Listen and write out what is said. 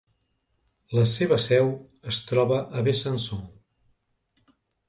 La seva seu es troba a Besançon.